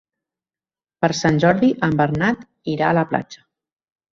Per Sant Jordi en Bernat irà a la platja.